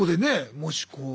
もしこう。